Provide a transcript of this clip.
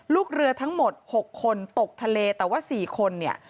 ลูกเรือทั้งหมด๖คนตกทะเลแต่ว่า๔คนเนี่ย